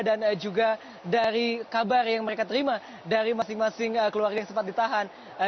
dan juga dari kabar yang mereka terima dari masing masing keluarga yang sempat ditahan